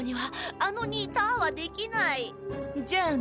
じゃあね。